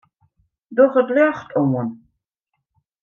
Doch it ljocht oan.